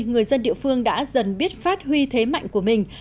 người dân địa phương đã dần biết phát huy thế mạnh của mình